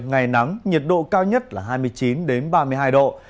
ngày nắng nhiệt độ cao nhất là hai mươi chín ba mươi hai độ